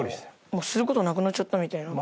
もうする事がなくなっちゃったみたいな？